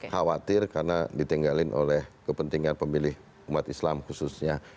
khawatir karena ditinggalin oleh kepentingan pemilih umat islam khususnya